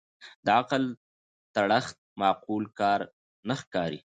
د عقل تړښت معقول کار نه ښکاري